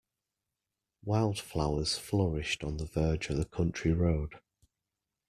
Wildflowers flourished on the verge of the country road